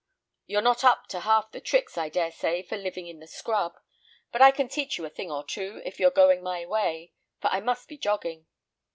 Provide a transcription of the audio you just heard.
You're not up to half the tricks, I dare say, for living in the scrub; but I can teach you a thing or two, if you are going my way, for I must be jogging."